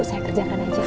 saya kerjakan aja